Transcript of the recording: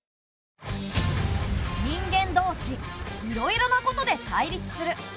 人間どうしいろいろなことで対立する。